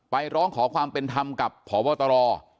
ร้องขอความเป็นธรรมกับพบตร